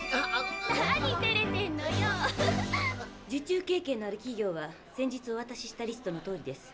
受注経験のある企業は先日お渡ししたリストのとおりです。